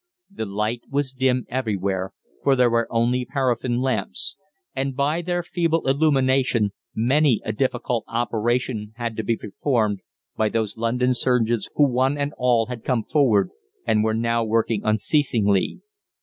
The light was dim everywhere, for there were only paraffin lamps, and by their feeble illumination many a difficult operation had to be performed by those London surgeons who one and all had come forward, and were now working unceasingly.